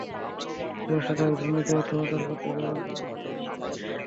যুক্তরাষ্ট্রের দাবি, দুর্নীতির অর্থ পাচার করতে ব্যবহার করা হয়েছে ব্যাংক হিসাবগুলো।